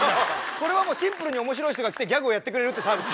これはもうシンプルに面白い人が来てギャグをやってくれるってサービス。